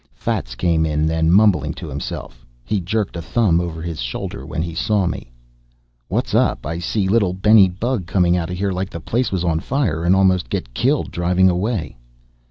Fats came in then, mumbling to himself. He jerked a thumb over his shoulder when he saw me. "What's up? I see little Benny Bug come out of here like the place was on fire and almost get killed driving away?"